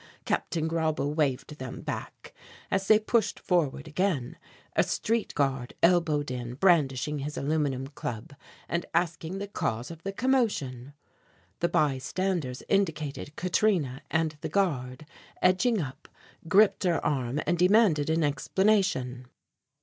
Captain Grauble waved them back. As they pushed forward again, a street guard elbowed in, brandishing his aluminum club and asking the cause of the commotion. The bystanders indicated Katrina and the guard, edging up, gripped her arm and demanded an explanation.